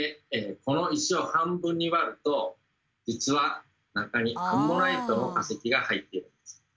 この石を半分に割ると実は中にアンモナイトの化石が入っています。